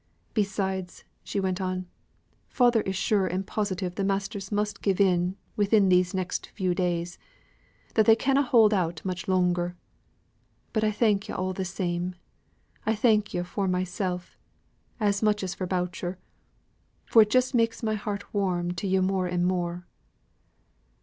"Besides," she went on, "father is sure and positive the masters must give in within these next few days, that they canna hould on much longer. But I thank yo' all the same, I thank yo' for mysel', as much as for Boucher, for it jus makes my heart warm to yo' more and more."